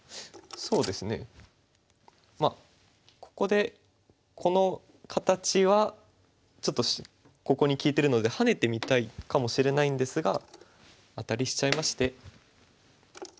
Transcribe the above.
ここでこの形はちょっとここに利いてるのでハネてみたいかもしれないんですがアタリしちゃいまして。